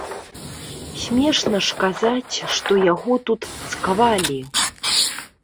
Смешна ж казаць, што яго тут цкавалі.